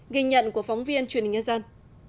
ghi nhận của phóng viên truyền hình nhân dân